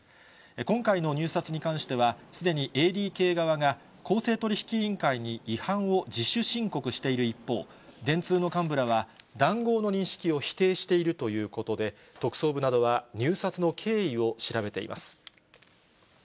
今回の入札に関しては、すでにＡＤＫ側が、公正取引委員会に違反を自主申告している一方、電通の幹部らは、談合の認識を否定しているということで、特捜部などは入札の経緯を調べています。